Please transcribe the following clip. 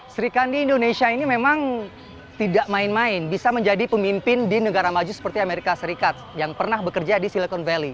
sri kandi indonesia ini memang tidak main main bisa menjadi pemimpin di negara maju seperti amerika serikat yang pernah bekerja di silicon valley